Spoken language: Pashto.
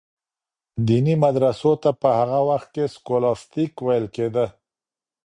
دیني مدرسو ته په هغه وخت کي سکولاستیک ویل کیده.